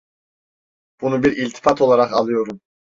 Bunu bir iltifat olarak alıyorum.